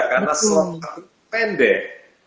karena seluruh waktu itu pendek